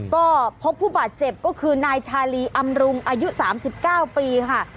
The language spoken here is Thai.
ก็พบผู้บาดเจ็บก็คือนายชาลีอำรุงอายุ๓๙ปีค่ะ